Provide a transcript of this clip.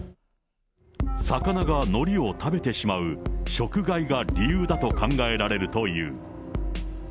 魚がのりを食べてしまう食害が理由だと考えられるという。